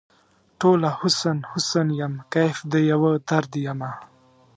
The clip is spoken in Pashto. ټوله حسن ، حسن یم کیف د یوه درد یمه